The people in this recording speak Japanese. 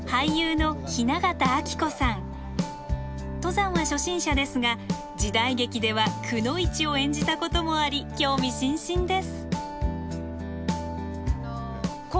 登山は初心者ですが時代劇では「くノ一」を演じたこともあり興味津々です。